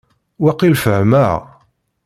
Waqil fehmeɣ.